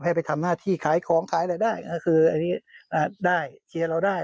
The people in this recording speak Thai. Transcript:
ให้ไปทำหน้าที่ขายของขายอะไรได้ก็คืออันนี้ได้เชียร์เราได้